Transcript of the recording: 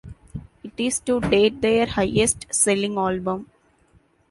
It is to date their highest-selling album.